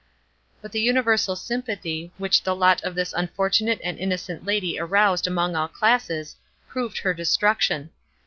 But the universal sympathy, which the lot of thin unfortunate and innocent lady aroused among all classes, proved her destruction.